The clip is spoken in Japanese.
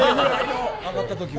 上がったときは。